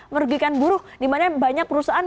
merugikan buruh dimana banyak perusahaan